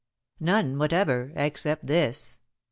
"None whatever, except this.